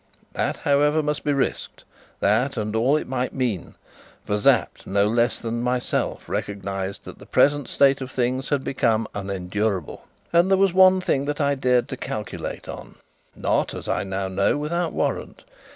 That, however, must be risked that and all it might mean; for Sapt, no less than myself, recognized that the present state of things had become unendurable. And there was one thing that I dared to calculate on not, as I now know, without warrant.